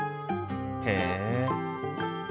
へえ！